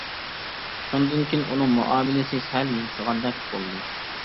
شۇندىن كىيىن ئۇنىڭ مۇئامىلىسى سەل يۇمشىغاندەك بولدى.